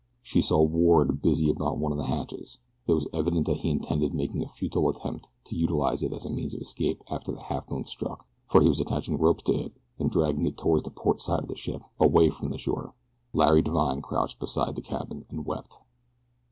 She saw Ward busy about one of the hatches. It was evident that he intended making a futile attempt to utilize it as a means of escape after the Halfmoon struck, for he was attaching ropes to it and dragging it toward the port side of the ship, away from the shore. Larry Divine crouched beside the cabin and wept.